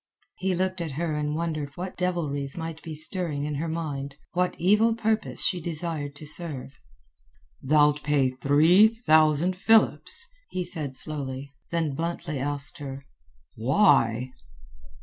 He looked at her and wondered what devilries might be stirring in her mind, what evil purpose she desired to serve. "Thou'lt pay three thousand philips?" he said slowly. Then bluntly asked her: "Why?"